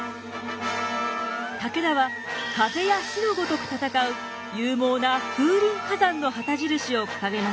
武田は風や火のごとく戦う勇猛な風林火山の旗印を掲げました。